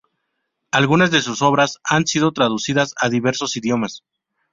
Algunas de sus obras han sido traducidas a diversos idiomas.